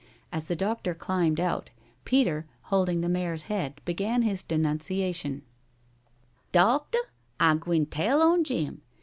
As the doctor climbed out, Peter, holding the mare's head, began his denunciation: "Docteh, I gwine tell on Jim.